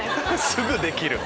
すぐできる。